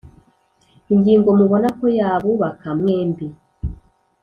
ingingo mubona ko yabubaka mwembi,